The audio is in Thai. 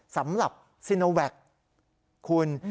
สำหรับซีโนแวคคุณ